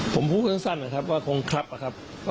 ผมพูดสั้นว่าครับว่าคงครับครับ